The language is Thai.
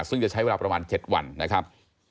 ซึ่งจะใช้เวลาประมาณ๗วันนะครับ